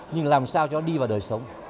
nhưng làm sao cho nó đi vào đời sống